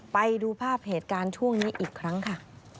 ไปดูภาพเหตุการณ์ช่วงนี้อีกครั้งค่ะ